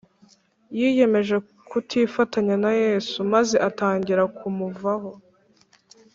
yiyemeje kutifatanya na yesu maze atangira kumuvaho